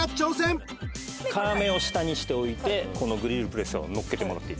皮目を下にして置いてこのグリルプレスをのっけてもらっていいですか。